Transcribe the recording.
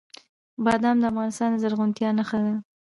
بادام د افغانستان د زرغونتیا نښه ده.